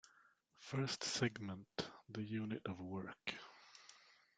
First segment the unit of work.